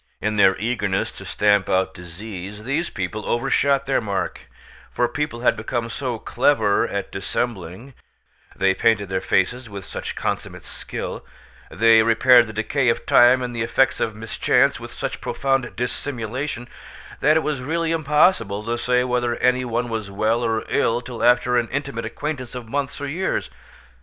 In their eagerness to stamp out disease, these people overshot their mark; for people had become so clever at dissembling—they painted their faces with such consummate skill—they repaired the decay of time and the effects of mischance with such profound dissimulation—that it was really impossible to say whether any one was well or ill till after an intimate acquaintance of months or years.